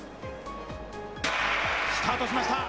スタートしました。